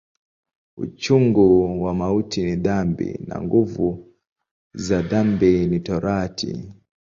Uchungu wa mauti ni dhambi, na nguvu za dhambi ni Torati.